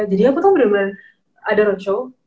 jadi aku tau bener bener ada roadshow